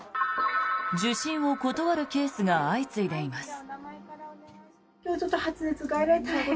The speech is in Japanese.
受診を断るケースが相次いでいます。